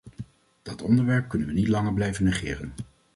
Dat onderwerp kunnen we niet langer blijven negeren.